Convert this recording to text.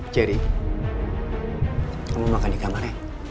jerry kamu makan di kamarnya